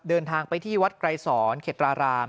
เดินทางไปที่วัดไกรศรเขตราราม